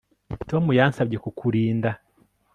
Tom yansabye kukurinda